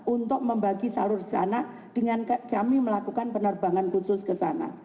untuk membagi salur di sana dengan kami melakukan penerbangan khusus ke sana